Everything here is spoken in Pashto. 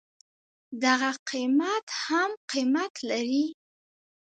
دغه قيمت هم قيمت لري.